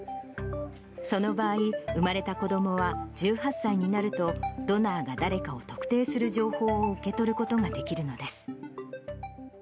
その場合、生まれた子どもは１８歳になると、ドナーが誰かを特定する情報を受け取ることができるのです。